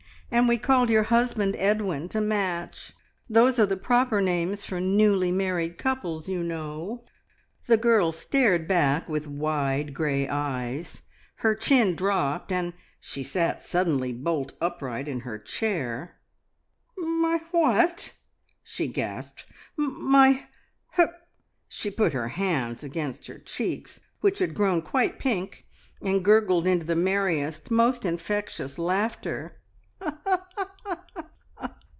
And we called your husband Edwin, to match. Those are the proper names for newly married couples, you know." The girl stared back with wide grey eyes, her chin dropped, and she sat suddenly bolt upright in her chair. "My what?" she gasped. "My h " She put her hands against her cheeks, which had grown quite pink, and gurgled into the merriest, most infectious laughter.